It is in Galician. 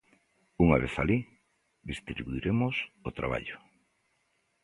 Unha vez alí, distribuiremos o traballo.